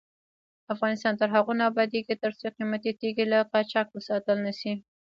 افغانستان تر هغو نه ابادیږي، ترڅو قیمتي تیږې له قاچاق وساتل نشي.